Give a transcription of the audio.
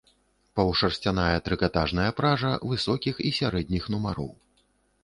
Паўшарсцяная трыкатажная пража высокіх і сярэдніх нумароў.